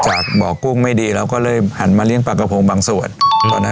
จากบอกจุ้งไม่ดีเราก็เลยหันมาเลี้ยงปลากระโพงบางส่วน